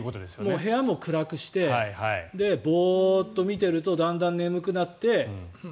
部屋も暗くしてボーッと見ているとだんだん眠くなって。